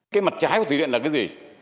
cái mặt trái của thủy điện là cái gì